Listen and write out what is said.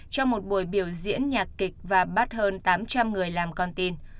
trong một buổi biểu diễn nhạc kịch và bắt hơn tám trăm linh người làm con tin